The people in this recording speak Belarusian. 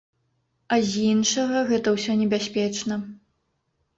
А з іншага, гэта ўсё небяспечна.